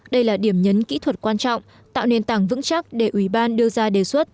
đây là điểm nhấn kỹ thuật quan trọng tạo nền tảng vững chắc để ủy ban đưa ra đề xuất